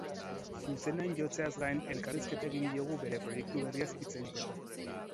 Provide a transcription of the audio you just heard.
Zuzenean jotzeaz gain, elkarrizketa egin diogu bere proiektu berriaz hitz egiteko.